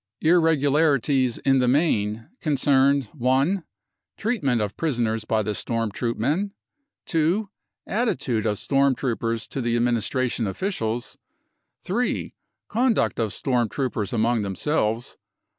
Irregularities in the main concerned :" 1 . Treatment of prisoners by the storm troopmen. % THE CONCENTRATION CAMPS 307 jj " 2. Attitude of storm troopers to the administration officials. * f "3. Conduct of storm troopers among themselves.